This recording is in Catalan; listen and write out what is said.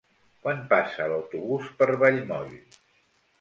Quan passa l'autobús per Vallmoll?